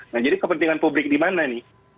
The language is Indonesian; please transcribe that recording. nah jadi kepentingan publik di mana nih